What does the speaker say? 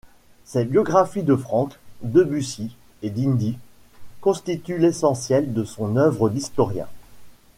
Ses biographies de Franck, Debussy et D'Indy, constituent l'essentiel de son œuvre d'historien.